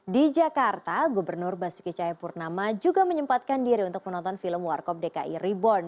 di jakarta gubernur basuki cahayapurnama juga menyempatkan diri untuk menonton film warkop dki reborn